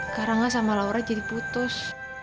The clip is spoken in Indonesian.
karanga sama laura jadi putus